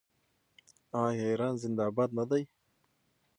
آیا ایران زنده باد نه دی؟